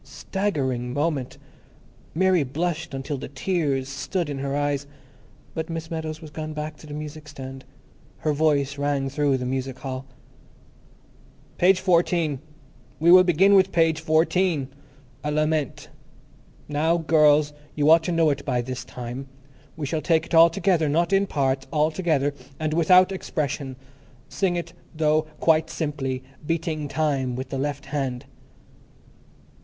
Staggering moment! Mary blushed until the tears stood in her eyes, but Miss Meadows was gone back to the music stand; her voice rang through the music hall. "Page fourteen. We will begin with page fourteen. 'A Lament.' Now, girls, you ought to know it by this time. We shall take it all together; not in parts, all together. And without expression. Sing it, though, quite simply, beating time with the left hand."